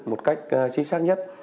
một cách chính xác nhất